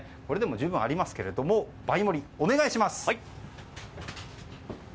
これでも十分ありますけども倍盛り、お願いします。